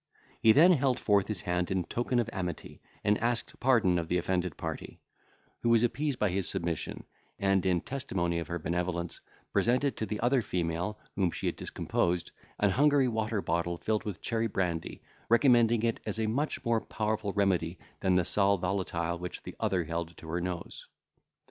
He then held forth his hand in token of amity, and asked pardon of the offended party, who was appeased by his submission; and, in testimony of her benevolence, presented to the other female, whom she had discomposed, an Hungary water bottle filled with cherry brandy, recommending it as a much more powerful remedy than the sal volatile which the other held to her nose.